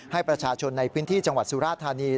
ให้ประชาชนในพื้นที่จังหวัดสุราธานี